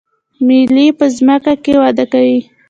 ملی په ځمکه کې وده کوي